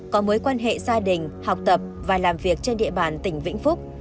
có mối quan hệ gia đình học tập và làm việc trên địa bàn tỉnh vĩnh phúc